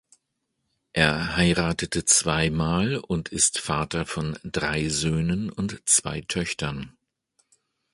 Er heiratete zweimal und ist Vater von drei Söhnen und zwei Töchtern.